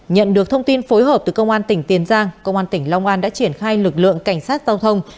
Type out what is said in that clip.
nhận được thông tin phối hợp từ công an tỉnh tiền giang công an tỉnh long an đã triển khai lực lượng cảnh sát giao thông